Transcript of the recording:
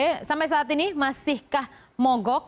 oke sampai saat ini masihkah mogok